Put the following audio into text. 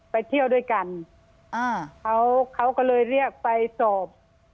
ไปเที่ยวด้วยกันอ่าเขาเขาก็เลยเรียกไปสอบ